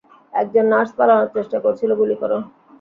একজন নার্স পালানোর চেষ্টা করেছিল গুলি কর!